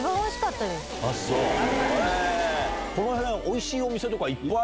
この辺おいしいお店いっぱい。